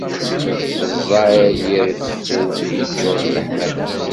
Ẓẓay i reffu, iččur d leḥmala.